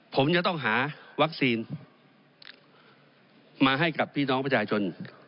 ผมจะต้องหาวัคซีนมาให้กับพี่น้องประชาชน